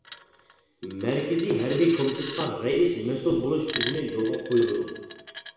مەركىزىي ھەربىي كومىتېتتا رەئىس مەسئۇل بولۇش تۈزۈمى يولغا قويۇلىدۇ.